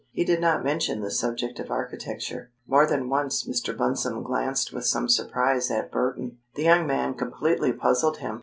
He did not mention the subject of architecture. More than once Mr. Bunsome glanced with some surprise at Burton. The young man completely puzzled him.